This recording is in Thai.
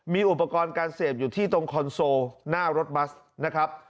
มีอุปกรณ์การเสพอยู่ที่ตรงคอนโซลหน้ารถบัสนะครับ